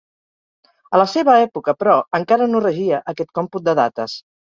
A la seva època, però, encara no regia aquest còmput de dates.